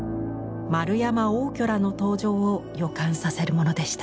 円山応挙らの登場を予感させるものでした。